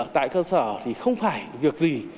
tại cơ sở thì không phải việc gì